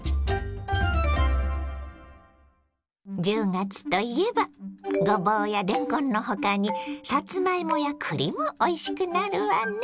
１０月といえばごぼうやれんこんの他にさつまいもやくりもおいしくなるわね。